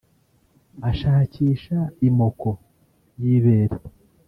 ashakisha imoko y’ibere